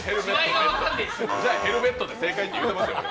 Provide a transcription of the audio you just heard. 違います、じゃあ、ヘルメットで正解って言いますよ。